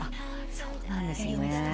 そうなんですね。